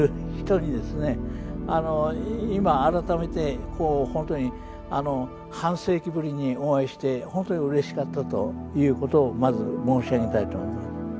今改めてほんとに半世紀ぶりにお会いしてほんとにうれしかったという事をまず申し上げたいと思います。